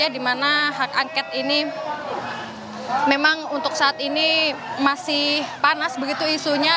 di mana hak angket ini memang untuk saat ini masih panas begitu isunya